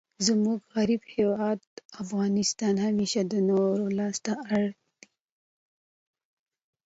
زموږ غریب هیواد افغانستان همېشه د نورو لاس ته اړ دئ.